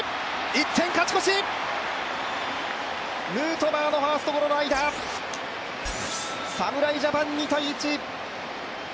１点勝ち越し、ヌートバーのファーストゴロの間、侍ジャパン２−１。